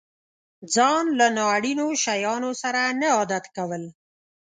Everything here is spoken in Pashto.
ځان له نا اړينو شيانو سره نه عادت کول.